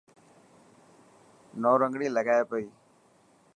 نورنگڻي لگائي پئي.